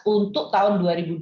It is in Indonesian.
untuk tahun dua ribu dua puluh